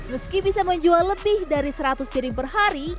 meski bisa menjual lebih dari seratus piring per hari